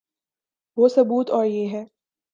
وہ ثبوت اور یہ ہے۔